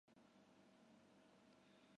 他也是麒麟阁十一功臣之一。